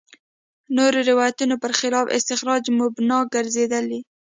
نورو روایتونو برخلاف استخراج مبنا ګرځېدلي.